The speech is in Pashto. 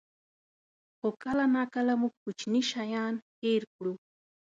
خو کله ناکله موږ کوچني شیان هېر کړو.